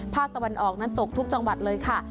ภาคตะวันออกนั้นตกทุกจังหวัดเลยค่ะ